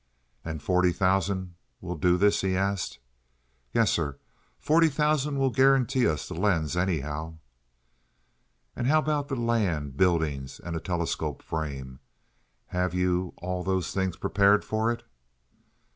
"And forty thousand will do this?" he asked. "Yes, sir. Forty thousand will guarantee us the lens, anyhow." "And how about land, buildings, a telescope frame? Have you all those things prepared for it?"